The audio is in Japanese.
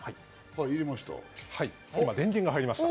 入れました。